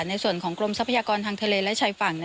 ในส่วนของกรมทรัพยากรทางทะเลและชายฝั่ง